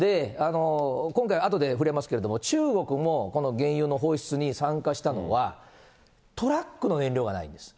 今回、あとで触れますけれども、中国もこの原油の放出に参加したのは、トラックの燃料がないんです。